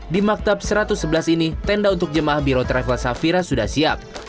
di maktab satu ratus sebelas ini tenda untuk jemaah biro travel safira sudah siap